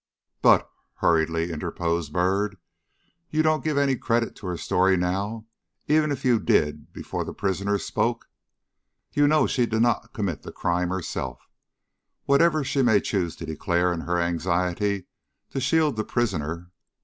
"But," hurriedly interposed Byrd, "you don't give any credit to her story now, even if you did before the prisoner spoke? You know she did not commit the crime herself, whatever she may choose to declare in her anxiety to shield the prisoner.